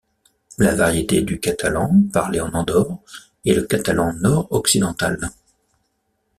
La variété du catalan parlée en Andorre est le catalan nord-occidental.